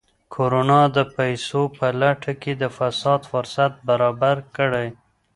کرونا د پیسو په لټه کې د فساد فرصت برابر کړی.